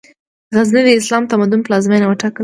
غزنی، د اسلامي تمدن پلازمېنه وټاکل شوه.